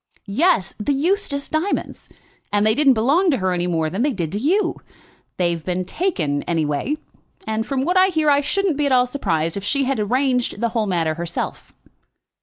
"Yes, the Eustace diamonds! And they didn't belong to her any more than they did to you. They've been taken, anyway; and from what I hear I shouldn't be at all surprised if she had arranged the whole matter herself."